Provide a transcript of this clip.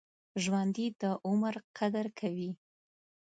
ژوندي د عمر قدر کوي